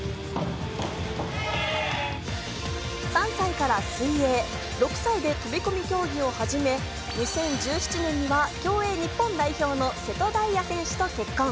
３歳から水泳、６歳で飛込競技を始め２０１７年には競泳・日本代表の瀬戸大也選手と結婚。